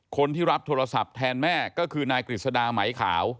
คนที่รับโทรศัพท์แทนแม่ก็คือนายกฤษดาไหมขาว